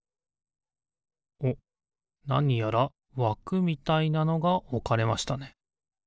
なにやらわくみたいなのがおかれましたね。